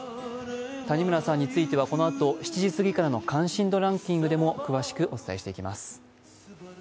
谷村さんについては、このあと７時すぎの「関心度ランキング」でも詳しくお伝えします。